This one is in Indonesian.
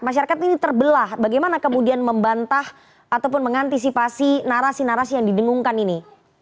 masyarakat ini terbelah bagaimana kemudian membantah ataupun mengantisipasi narasi narasi yang didengungkan ini